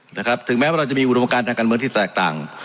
นะครับถึงแม้ว่าเราจะมีอุดมการทางการเมืองที่แตกต่าง